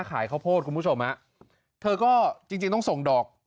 ขายข้าวโพดคุณผู้ชมฮะเธอก็จริงจริงต้องส่งดอก